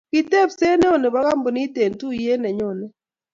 kitepsee neo nebo kampunit eng tuiyet nenyonei